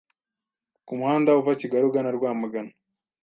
ku muhanda uva Kigali ugana Rwamagana,